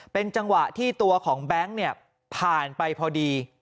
เป็นจังหวะที่ตัวของแบงค์เนี่ยผ่านไปพอดี